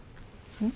うん。